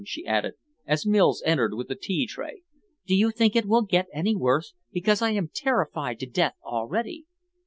she added, as Mills entered with the tea tray. "Do you think it will get any worse, because I am terrified to death already?"